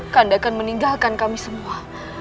kami akan meninggalkan kami semua